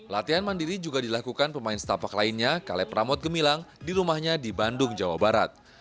latihan mandiri juga dilakukan pemain setapak lainnya kaleb ramot gemilang di rumahnya di bandung jawa barat